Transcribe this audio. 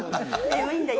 眠いんだよ。